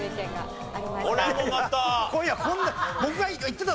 これもまた。